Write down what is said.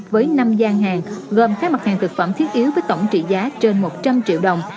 với năm gian hàng gồm các mặt hàng thực phẩm thiết yếu với tổng trị giá trên một trăm linh triệu đồng